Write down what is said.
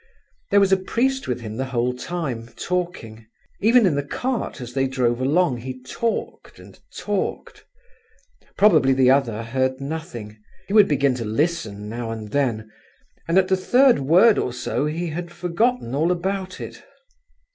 There was a priest with him the whole time, talking; even in the cart as they drove along, he talked and talked. Probably the other heard nothing; he would begin to listen now and then, and at the third word or so he had forgotten all about it.